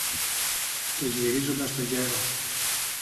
Και γυρίζοντας στο γέρο